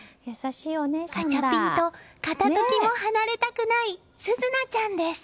ガチャピンと片時も離れたくない珠和ちゃんです。